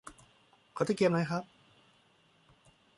ขอตะเกียบหน่อยครับ